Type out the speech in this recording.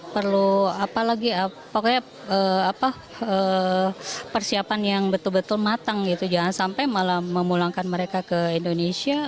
perlu persiapan yang betul betul matang jangan sampai malah memulangkan mereka ke indonesia